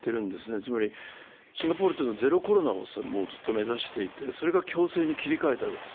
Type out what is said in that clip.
つまりシンガポールというのは、ゼロコロナを目指していて、それが共生に切り替えたわけです。